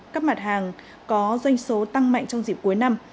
các mặt hàng có doanh số tăng mạnh trong dịp cuối năm